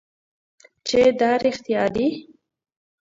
چې دا رښتیا دي .